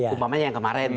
umpamanya yang kemarin